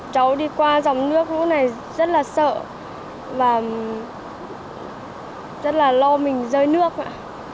cháu đi qua dòng nước lũ này rất là sợ và rất là lo mình rơi nước ạ